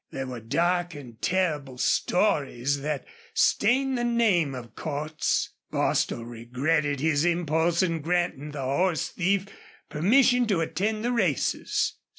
There were dark and terrible stories that stained the name of Cordts. Bostil regretted his impulse in granting the horse thief permission to attend the races.